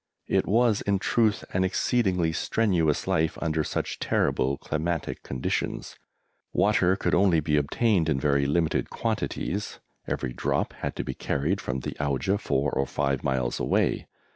It was in truth an exceedingly strenuous life under such terrible climatic conditions. Water could only be obtained in very limited quantities; every drop had to be carried from the Auja four or five miles away.